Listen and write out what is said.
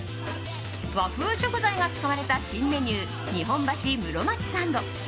和風食材が使われた新メニュー日本橋室町サンド。